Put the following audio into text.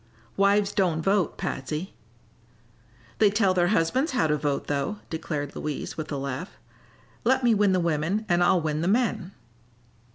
"Wives don't vote, Patsy." "They tell their husbands how to vote, though," declared Louise, with a laugh. "Let me win the women and I'll win the men."